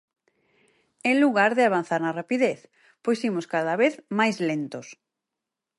En lugar de avanzar na rapidez, pois imos cada vez máis lentos.